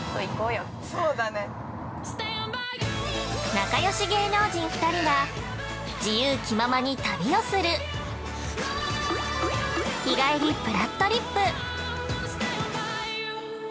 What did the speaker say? ◆仲よし芸能人２人が自由気ままに旅をする「日帰りぷらっとりっぷ」。